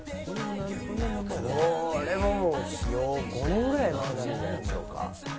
これももう、５年ぐらい前なんじゃないでしょうか。